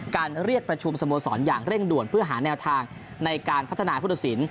เรียกประชุมสโมสรอย่างเร่งด่วนเพื่อหาแนวทางในการพัฒนาผู้ตัดสิน